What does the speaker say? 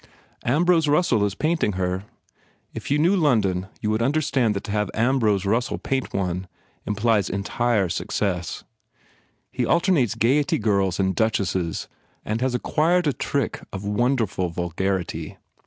Ambrose Russell is painting her. If you knew London you would understand that to have Ambrose Russell paint one implies entire success. He alternates Gaiety girls and Duchesses and has acquired a trick of wonderful vulgarity.